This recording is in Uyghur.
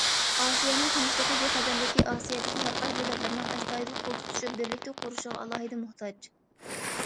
ئاسىيانىڭ تىنچلىقى، بىخەتەرلىكى ئاسىيادىكى ھەر قايسى دۆلەتلەرنىڭ ئەستايىدىل قول تۇتۇشۇپ بىرلىكتە قۇرۇشىغا ئالاھىدە موھتاج.